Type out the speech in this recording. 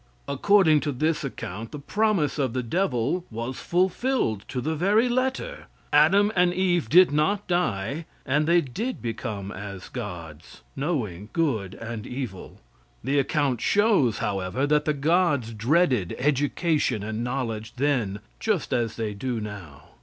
According to this account the promise of the devil was fulfilled to the very letter. Adam and Eve did not die, and they did become as gods, knowing good and evil. The account shows, however, that the gods dreaded education and knowledge then just as they do now.